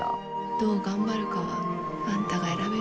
どう頑張るかはあんたが選べるんだよ。